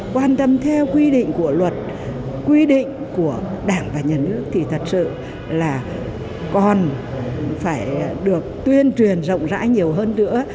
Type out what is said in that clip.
quan tâm theo quy định của luật quy định của đảng và nhà nước thì thật sự là còn phải được tuyên truyền rộng rãi nhiều hơn nữa